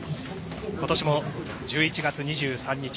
今年も１１月２３日。